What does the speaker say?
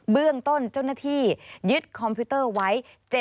เบื้องต้นเจ้าหน้าที่ยึดคอมพิวเตอร์ไว้